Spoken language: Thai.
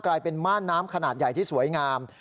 กลายเป็นม่านน้ำขนาดใหญ่ที่สวยงาม